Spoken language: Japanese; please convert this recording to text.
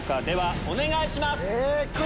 ではお願いします！